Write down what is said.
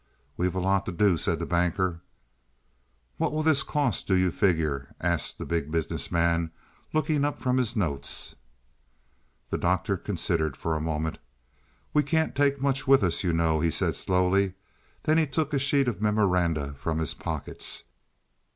"We've a lot to do," said the Banker. "What will this cost, do you figure?" asked the Big Business Man, looking up from his notes. The Doctor considered a moment. "We can't take much with us, you know," he said slowly. Then he took a sheet of memoranda from his pockets.